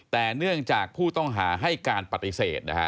แต่เนื่องจากผู้ต้องหาให้การปฏิเสธนะฮะ